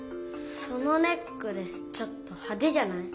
そのネックレスちょっとはでじゃない？